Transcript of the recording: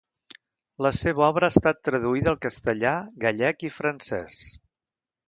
La seva obra ha estat traduïda al castellà, gallec i francès.